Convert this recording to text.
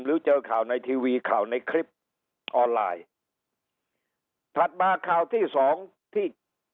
เจอข่าวในทีวีข่าวในคลิปออนไลน์ถัดมาข่าวที่สองที่